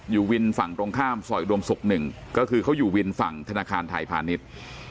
อยู่วินฝั่งตรงข้ามซอยอุดมศุกร์หนึ่งก็คือเขาอยู่วินฝั่งธนาคารไทยพาณิชย์